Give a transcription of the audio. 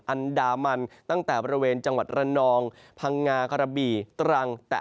อันดามันตั้งแต่บริเวณจังหวัดระนองพังงากระบี่ตรัง